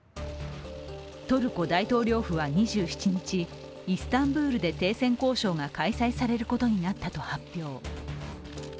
トルコ大統領府は２７日、イスタンブールで停戦交渉が開催されることになったと発表。